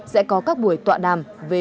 sẽ có các buổi tọa đàm về